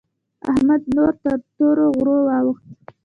احمد نور تر تورو غرو واوښت.